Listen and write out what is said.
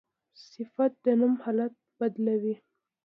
صفت د نوم حالت بدلوي.